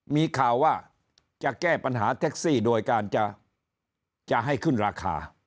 มีข่าวว่าจะแก้ปัญหาแท็กซี่โดยการจะให้ขึ้นราคา